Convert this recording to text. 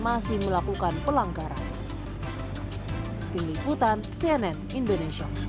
masih melakukan pelanggaran